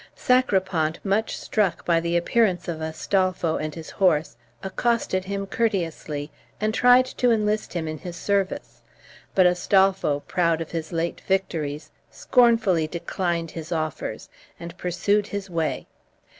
Sacripant, much struck by the appearance of Astolpho and his horse, accosted him courteously, and tried to enlist him in his service; but Astolpho, proud of his late victories, scornfully declined his offers, and pursued his way.